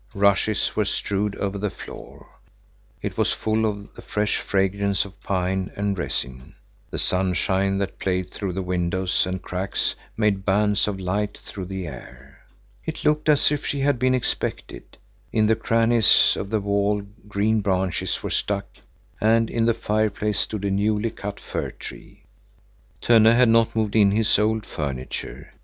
Rushes were strewed over the floor. It was full of the fresh fragrance of pine and resin. The sunshine that played through the windows and cracks made bands of light through the air. It looked as if she had been expected; in the crannies of the wall green branches were stuck, and in the fireplace stood a newly cut fir tree. Tönne had not moved in his old furniture.